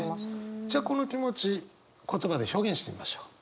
じゃあこの気持ち言葉で表現してみましょう。